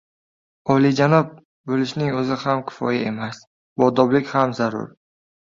Olijanob bo‘lishning o‘zi kifoya emas, boodoblik ham zarur.